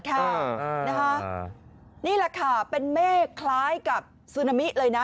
นี่แหละค่ะเป็นเมฆคล้ายกับซึนามิเลยนะ